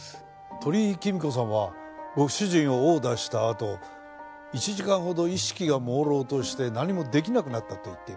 鳥居貴美子さんはご主人を殴打したあと１時間ほど意識が朦朧として何も出来なくなったと言っています。